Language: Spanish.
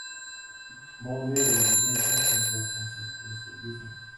Moore argumenta contra el Consecuencialismo.